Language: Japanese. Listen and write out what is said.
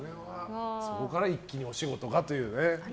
そこから一気にお仕事がというね。